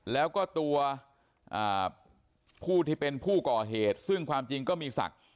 แล้วก็ตัวผู้ที่เป็นผู้ก่อเหตุซึ่งความจริงก็มีศักดิ์